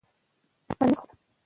-منځنی خوات: